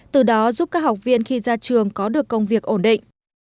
từ đó giúp các học viên khi ra trường có được công việc ổn định